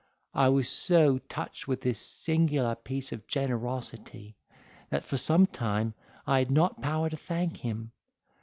I was so touched with this singular piece of generosity, that for some time I had not power to thank him.